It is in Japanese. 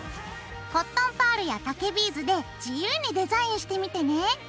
コットンパールや竹ビーズで自由にデザインしてみてね！